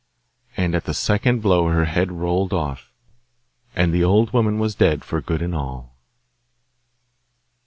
And at the second blow her head rolled off, and the old woman was dead for good and all.